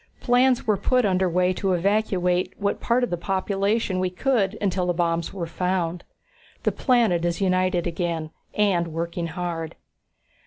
Plans were put under way to evacuate what part of the population we could until the bombs were found. The planet is united again, and working hard."